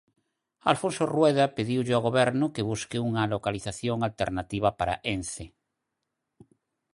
Alfonso Rueda pediulle ao Goberno que busque unha localización alternativa para Ence.